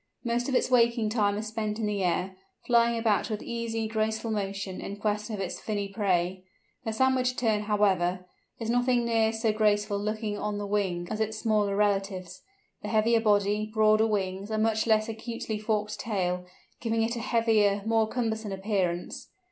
Most of its waking time is spent in the air, flying about with easy, graceful motion, in quest of its finny prey. The Sandwich Tern, however, is nothing near so graceful looking on the wing as its smaller relatives, the heavier body, broader wings, and much less acutely forked tail giving it a heavier, more cumbersome appearance.